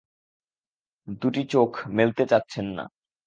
দুটি চোখ মেলতে চাচ্ছেন না।